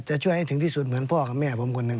จะช่วยให้ถึงที่สุดเหมือนพ่อกับแม่ผมคนหนึ่ง